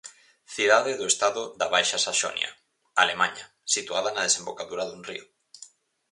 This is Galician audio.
Cidade do estado da Baixa Saxonia, Alemaña, situada na desembocadura dun río.